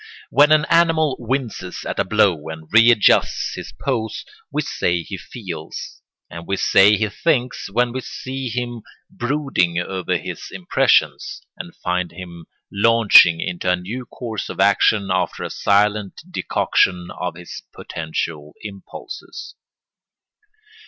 When an animal winces at a blow and readjusts his pose, we say he feels; and we say he thinks when we see him brooding over his impressions, and find him launching into a new course of action after a silent decoction of his potential impulses.